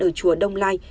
ở chùa đông lai